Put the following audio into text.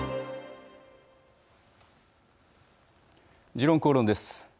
「時論公論」です。